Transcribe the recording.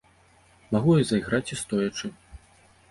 Магу я зайграць і стоячы.